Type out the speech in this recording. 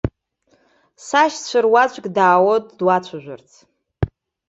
Сашьцәа руаӡәк даауеит дуацәажәарц.